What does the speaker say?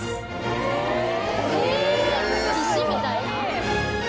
石みたい。